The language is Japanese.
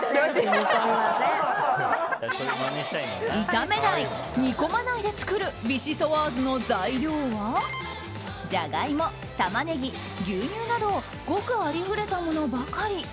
炒めない、煮込まないで作るビシソワーズの材料はジャガイモ、タマネギ、牛乳などごくありふれたものばかり。